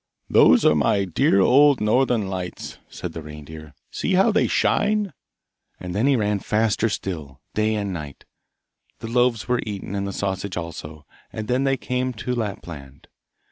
'Those are my dear old northern lights,' said the reindeer; 'see how they shine!' And then he ran faster still, day and night. The loaves were eaten, and the sausage also, and then they came to Lapland.